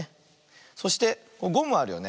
そしてゴムあるよね。